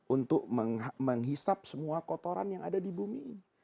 untuk menghisap semua kotoran yang ada di bumi ini